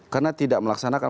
karena tidak melaksanakan